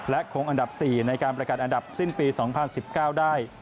คงอันดับ๔ในการประกาศอันดับสิ้นปี๒๐๑๙ได้